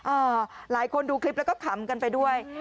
หลายคนดูคลิปแล้วก็ขำกันไปด้วย